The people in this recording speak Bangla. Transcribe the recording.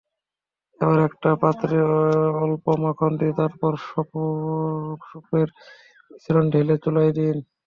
এবার একটা পাত্রে অল্প মাখন দিয়ে তারপর স্যুপের মিশ্রণ ঢেলে চুলায় দিন।